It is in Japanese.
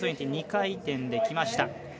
回転できました。